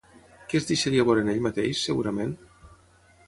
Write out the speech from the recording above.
Què es deixaria veure en ell mateix, segurament?